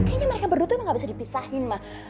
kayaknya mereka berdua tuh emang gak bisa dipisahin mah